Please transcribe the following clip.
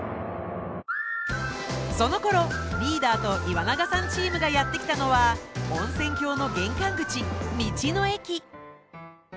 そのころリーダーと岩永さんチームがやって来たのは温泉峡の玄関口道の駅。